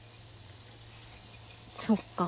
そっか。